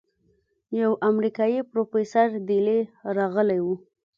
يو امريکايي پروفيسور دېلې رغلى و.